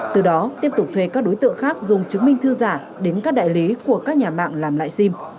từ đó tiếp tục thuê các đối tượng khác dùng chứng minh thư giả đến các đại lý của các nhà mạng làm lại sim